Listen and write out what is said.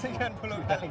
sekian puluh kali